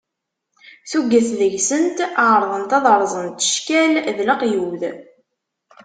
Tuget deg-sent ɛerḍent ad rẓent cckal, d leqyud.